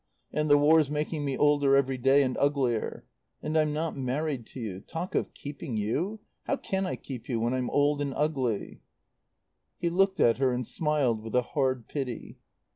And the War's making me older every day, and uglier. And I'm not married to you. Talk of keeping you! How can I keep you when I'm old and ugly?" He looked at her and smiled with a hard pity.